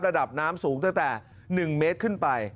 ระดับน้ำสูงตั้งแต่๑เมตรขึ้นไป